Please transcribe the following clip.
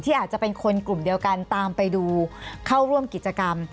อาจจะเป็นคนกลุ่มเดียวกันตามไปดูเข้าร่วมกิจกรรม